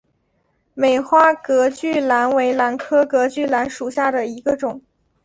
美花隔距兰为兰科隔距兰属下的一个种。